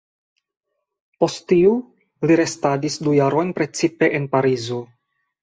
Post tiu li restadis du jarojn precipe en Parizo.